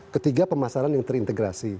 ketiga pemasaran yang terintegrasi